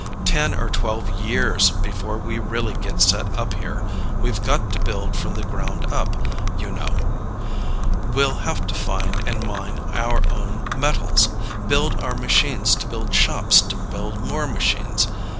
"Ten or twelve years before we really get set up here. We've got to build from the ground up, you know. We'll have to find and mine our metals. Build our machines to build shops to build more machines.